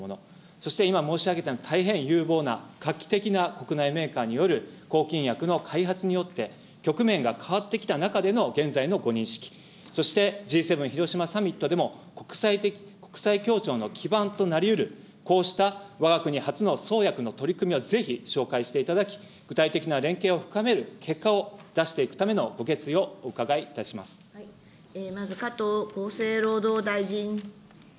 そして今、申し上げた大変有望な画期的な国内メーカーによる抗菌薬の開発によって、局面が変わってきた中での現在のご認識、そしてＧ７広島サミットでも国際協調の基盤となりうる、こうしたわが国はつの創薬の取り組みをぜひ紹介していただき、具体的な連携を深める結果を出していくためのご決意をお伺いいたまず加藤厚生労働大臣。